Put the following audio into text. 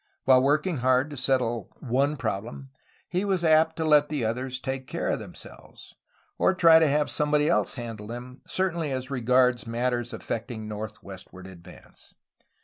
While working hard to settle some one problem, he was apt to let the others take care of themselves, or try to have somebody else handle them, certainly as regards matters affectiag northwestward advance.